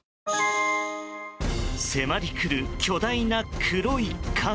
迫りくる巨大な黒い影。